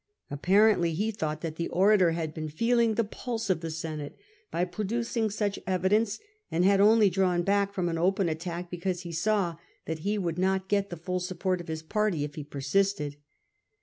Apparently he thought that the orator had been feeling the pulse of the Senate by producing such evidence, and had only drawn back from an open attack because he saw that he would not get the full support of his party if he persisted.